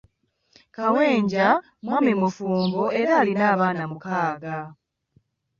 Kawenja mwami mufumbo era alina abaana mukaaga